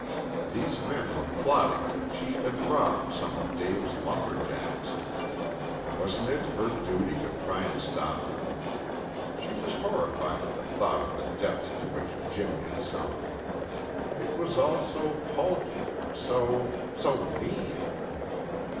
These men were plotting to cheat and rob some of Dave's lumber jacks. Wasn't it her duty to try and stop them? She was horrified at the thought of the depths to which Jim had sunk. It was all so paltry, so so mean.